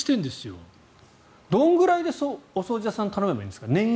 どれくらいでお掃除屋さんを頼めばいいんですか？